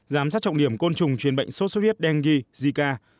giám sát trọng điểm côn trùng truyền bệnh sốt xuất huyết dengue zika